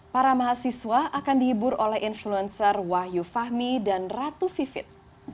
para mahasiswa akan dihibur oleh influencer wahyu fahmi dan ratu vivit